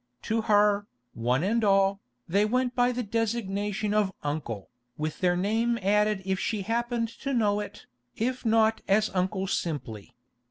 To her, one and all, they went by the designation of "Uncle," with their name added if she happened to know it, if not as Uncle simply.